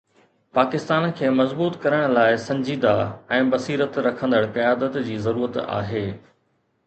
پاڪستان کي مضبوط ڪرڻ لاءِ سنجيده ۽ بصيرت رکندڙ قيادت جي ضرورت آهي.